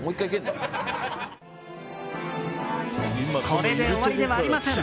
これで終わりではありません。